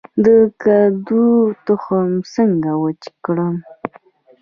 د کدو تخم څنګه وچ کړم؟